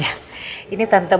aduh gue banget adam